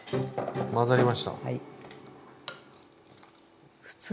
混ざりました。